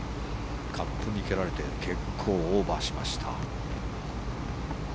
カップに蹴られて結構オーバーしました。